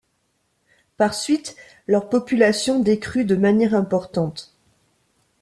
Par suite, leur population décrût de manière importante.